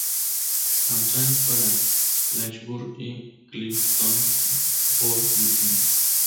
Amtrak para en Lynchburg y Clifton Forge, Virginia.